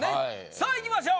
さあいきましょう！